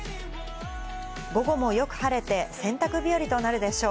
午後もよく晴れて洗濯日和となるでしょう。